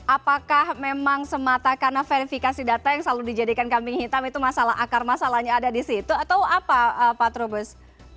apakah memang semata karena verifikasi data yang selalu dijadikan kambing hitam itu masalah akar masalahnya ada di situ atau apa pak trubus